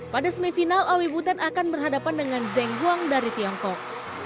pada semifinal owi butet akan berhadapan dengan zeng huang dari tiongkok